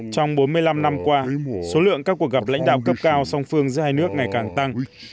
trong bốn mươi năm năm qua số lượng các cuộc gặp lãnh đạo cấp cao song phương giữa hai nước ngày càng tăng